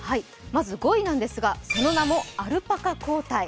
まず５位ですが、その名もアルパカ抗体。